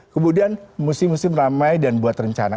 kemudian musim musim ramai dan buat rencana